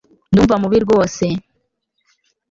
Ndumva mubi rwose